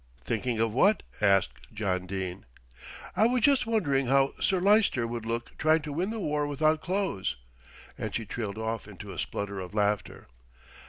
"Thinking of what?" asked John Dene. "I was just wondering how Sir Lyster would look trying to win the war without clothes," and she trailed off into a splutter of laughter.